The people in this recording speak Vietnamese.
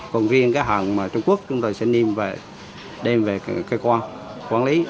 còn riêng cái hòn mà trung quốc chúng tôi sẽ niêm và đem về cơ quan quản lý